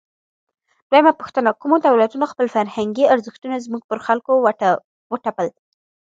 دویمه پوښتنه: کومو دولتونو خپل فرهنګي ارزښتونه زموږ پر خلکو وتپل؟